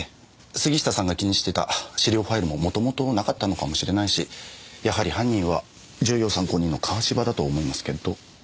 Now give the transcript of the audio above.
杉下さんが気にしていた資料ファイルも元々なかったのかもしれないしやはり犯人は重要参考人の川芝だと思いますけど。